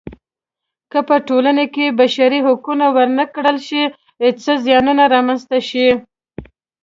که په ټولنه کې بشري حقونه ورنه کړل شي څه زیانونه رامنځته شي.